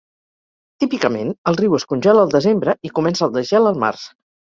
Típicament el riu es congela el desembre i comença el desgel el març.